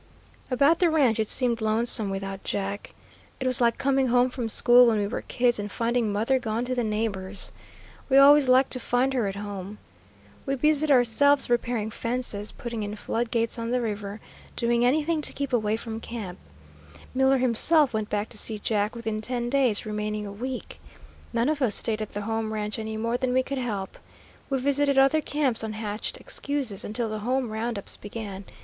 About the ranch it seemed lonesome without Jack. It was like coming home from school when we were kids and finding mother gone to the neighbor's. We always liked to find her at home. We busied ourselves repairing fences, putting in flood gates on the river, doing anything to keep away from camp. Miller himself went back to see Jack within ten days, remaining a week. None of us stayed at the home ranch any more than we could help. We visited other camps on hatched excuses, until the home round ups began.